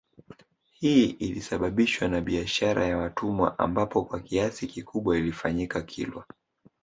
Hii ilisababishwa na bishara ya watumwa ambapo kwa kiasi kikubwa ilifanyika Kilwa